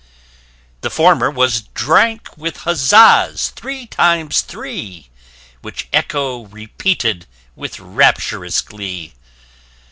_] The former was drank with huzzas, three times three, [p 15] Which echo repeated with rapturous glee.